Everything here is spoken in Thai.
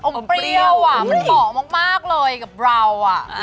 อมเปรี้ยวอะมันเหมาะมากเลยกับเราอะ